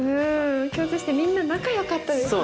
共通してみんな仲よかったですね。